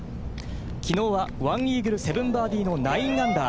きのうは１イーグル７バーディーの９アンダー。